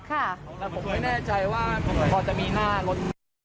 แต่ผมไม่แน่ใจว่าพอจะมีหน้ารถ